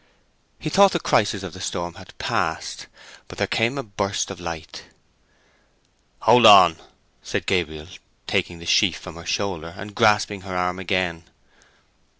He thought the crisis of the storm had passed. But there came a burst of light. "Hold on!" said Gabriel, taking the sheaf from her shoulder, and grasping her arm again.